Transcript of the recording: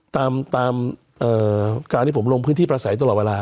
ตามการที่ผมลงพื้นที่ประสัยตลอดเวลา